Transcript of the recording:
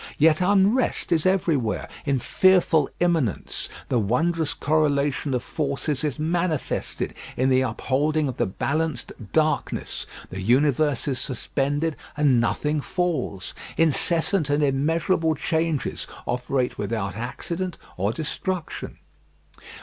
Yet unrest is everywhere in fearful immanence. The wondrous correlation of forces is manifested in the upholding of the balanced darkness. The universe is suspended and nothing falls. Incessant and immeasurable changes operate without accident or destruction.